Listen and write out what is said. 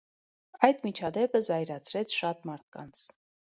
Այդ միջադեպը զայրացրեց շատ մարդկանց։